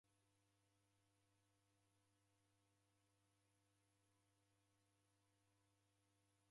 Kila w'uja w'aw'ae orefuma Msau!